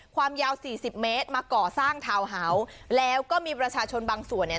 ความยาวสี่สิบเมตรมาก่อสร้างทาวน์เฮาส์แล้วก็มีประชาชนบางส่วนเนี่ย